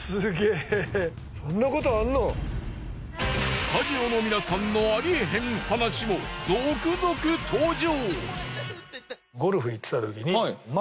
スタジオの皆さんのありえへん話も続々登場！